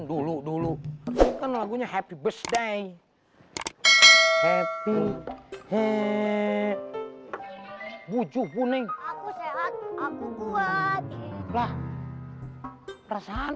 dulu dulu kan lagunya happy birthday happy bujuhuning aku sehat aku buat lah perasaan